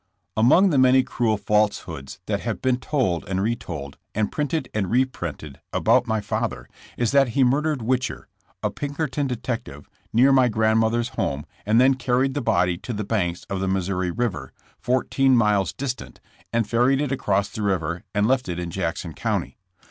Among the many cruel falsehoods that have been told and retold, and printed and reprinted about my father, is that he murdered Whicher, a Pinkerton de tective, near my grandmother's home and then car ried the body to the banks of the Missouri river, fourteen miles distant, and ferried it across the river S4 JKSSlt JAMtS. and left it in Jackson Caunty.